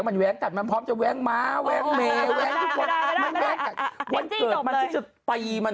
เมตอง็ได้รู้ว่าคือคนไหน